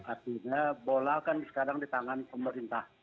artinya bola kan sekarang di tangan pemerintah